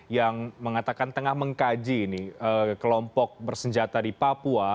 yang mengatakan tengah mengkaji kelompok bersenjata di papua